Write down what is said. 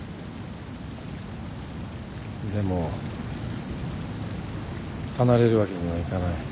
でも離れるわけにはいかない。